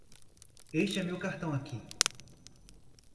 Este é meu cartão aqui.